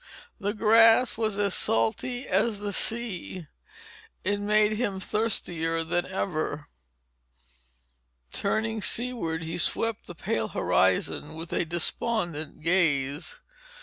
The grass was as salty as the sea. It made him thirstier than ever. Turning seaward he swept the pale horizon with a despondent gaze.